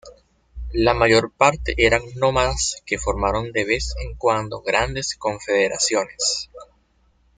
La mayor parte eran nómadas que formaron de vez en cuando grandes confederaciones.